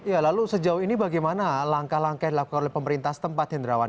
ya lalu sejauh ini bagaimana langkah langkah yang dilakukan oleh pemerintah setempat hendrawan